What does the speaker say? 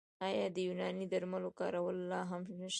آیا د یوناني درملو کارول لا هم نشته؟